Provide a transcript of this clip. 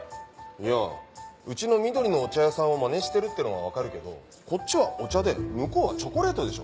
いやうちの「緑のお茶屋さん」をマネしてるってのは分かるけどこっちはお茶で向こうはチョコレートでしょ。